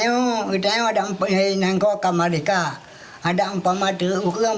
kita berpunyai menggunakan kamar ini